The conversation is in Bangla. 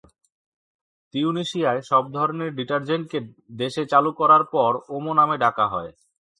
তিউনিশিয়ায় সব ধরনের ডিটারজেন্টকে দেশে চালু করার পর ওমো নামে ডাকা হয়।